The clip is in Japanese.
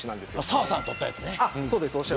澤さんが取ったやつね。